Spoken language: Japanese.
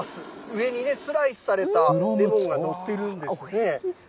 上にね、スライスされたレモンが載ってるんですね。